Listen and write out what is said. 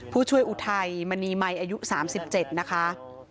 ผู้ช่วยอุทัยมณีมัยอายุ๓๗นะคะ